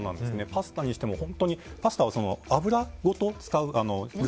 パスタにしてもパスタに油ごと使う。